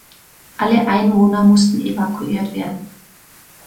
Alle Einwohner mussten evakuiert werden.